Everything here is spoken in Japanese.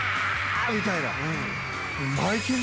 みたいな。